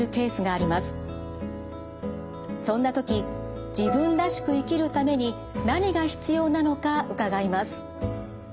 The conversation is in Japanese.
そんな時自分らしく生きるために何が必要なのか伺います。